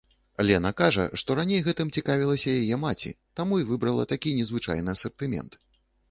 Лена кажа, што раней гэтым цікавілася яе маці, таму і выбрала такі незвычайны асартымент.